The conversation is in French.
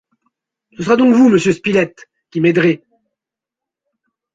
Ce sera donc vous, monsieur Spilett, qui m’aiderez